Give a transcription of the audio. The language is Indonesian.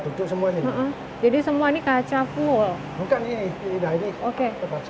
dan memberikan kondisi yang jauh ke yeni kapal kota